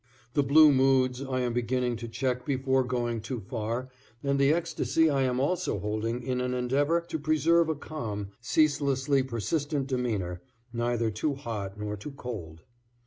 The blue moods I am beginning to check before going too far, and the ecstasy I am also holding in an endeavor to preserve a calm, ceaselessly persistent demeanor, neither too hot nor too cold.